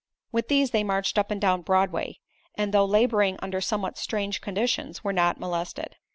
With these they marched up and down Broadway and, though laboring under somewhat strange conditions, were not molested.